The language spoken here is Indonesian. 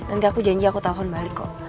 nanti aku janji aku tau kan balik kok